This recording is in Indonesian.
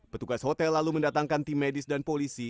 petugas hotel lalu mendatangkan tim medis dan polisi